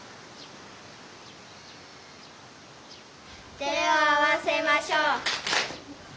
手を合わせましょう。